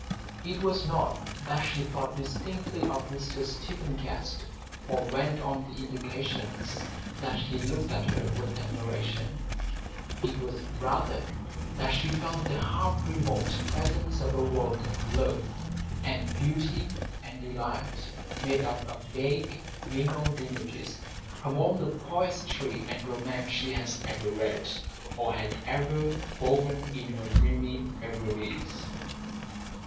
It was not that she thought distinctly of Mr Stephen Guest, or dwelt on the indications that he looked at her with admiration; it was rather that she felt the half remote presence of a world of love and beauty and delight, made up of vague, mingled images from all the poetry and romance she had ever read, or had ever woven in her dreamy reveries.